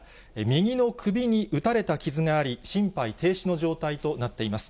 右の首に撃たれた傷があり、心肺停止の状態となっています。